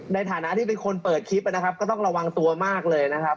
ในฐานะที่เป็นคนเปิดคลิปนะครับก็ต้องระวังตัวมากเลยนะครับ